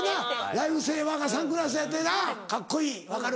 ライフセーバーがサングラスやってなカッコいい分かる。